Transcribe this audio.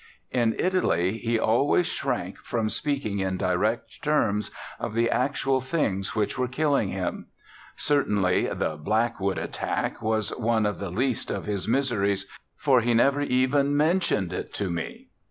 In Italy he always shrank from speaking in direct terms of the actual things which were killing him. Certainly the "Blackwood" attack was one of the least of his miseries, for he never even mentioned it to me.